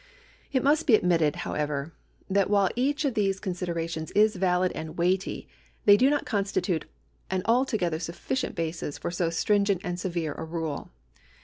It must be admitted, however, that while each of these considerations is valid and weighty, they do not constitute an altogether sufhcient basis for so stringent and severe a rule.'